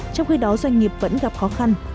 trong khi đó doanh nghiệp vẫn gặp khó khăn